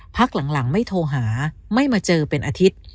พักหลังไม่โทรหาไม่มาเจอเป็นอาทิตย์